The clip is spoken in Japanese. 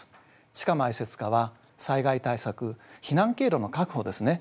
地下埋設化は災害対策避難経路の確保ですね